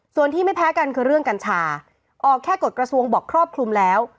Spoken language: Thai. ส่วนที่ไม่แพ้กันคือเรื่องกัญชาออกแค่กฎกระทรวงบอกครอบคลุมแล้ว